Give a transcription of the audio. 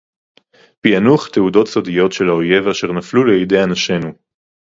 פִעְנוּחַ תְּעוּדוֹת סוֹדִיּוֹת שֶׁל הָאוֹיֵב אֲשֶׁר נָפְלוּ לִידֵי אֲנָשֵׁינוּ.